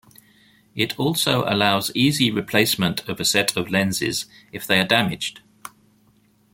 It also allows easy replacement of a set of lenses if they are damaged.